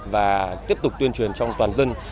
và tiếp tục tuyên truyền trong toàn dân